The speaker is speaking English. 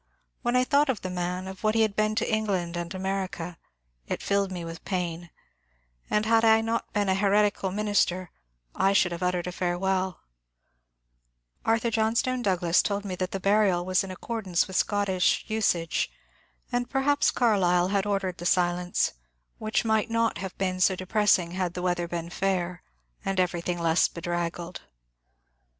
When I thought of the man, of what he had been to England and America, it filled me with pain, and had I not been a hereti cal minister, I should have uttered a farewelL Arthur John stone Douglas told me that the burial was in accordance with Scottish usage, and perhaps Carlyle had ordered the silence, which might not have been so depressing had the weather been fair and everything less bedraggled.